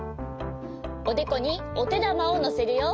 おでこにおてだまをのせるよ。